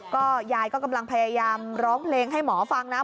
ก็ยายก็กำลังพยายามร้องเพลงให้หมอฟังนะ